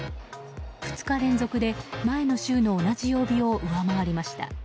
２日連続で前の週の同じ曜日を上回りました。